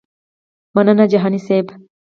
مننه جهاني صیب.